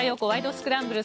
スクランブル」。